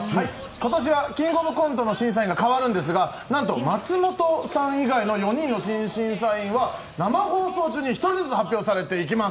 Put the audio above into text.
今年は「キングオブコント」の審査員が変わるんですが、なんと松本さん以外の４人の審査員は生放送中に１人ずつ発表されていきます。